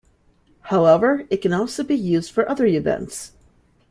However, it can also be used for other events.